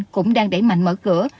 cũng đang đẩy mạnh mở cửa